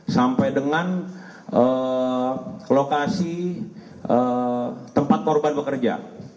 sampai dengan lokasi tempat korban bekerja